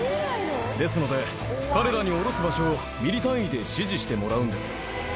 ですので、彼らに下ろす場所をミリ単位で指示してもらうんです。